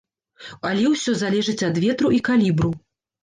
Але ўсё залежыць ад ветру і калібру.